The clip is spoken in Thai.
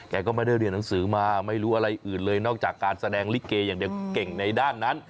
ก็ไม่ได้เรียนหนังสือมาไม่รู้อะไรอื่นเลยนอกจากการแสดงลิเกอย่างเดียวเก่งในด้านนั้น